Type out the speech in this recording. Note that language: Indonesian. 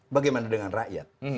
bagaimana dengan rakyat